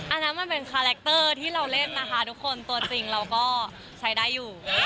อันนั้นมันเป็นคาแรคเตอร์ที่เราเล่นนะคะทุกคนตัวจริงเราก็ใช้ได้อยู่